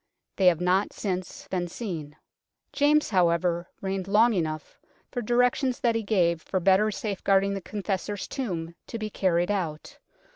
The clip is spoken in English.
They have not since been seen. James, however, reigned long enough for directions that he gave for better safeguard ing the Confessor's tomb to be carried out.